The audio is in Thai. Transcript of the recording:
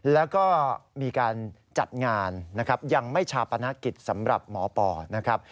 แล้วก็มีการจัดงานยังไม่ชาปนกิจสำหรับหมอปอร์